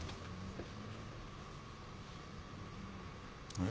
あれ？